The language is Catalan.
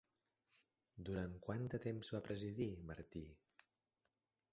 Durant quant de temps va presidir, Martí?